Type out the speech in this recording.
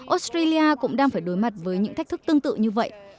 australia cũng đang phải đối mặt với những thách thức tương tự như vậy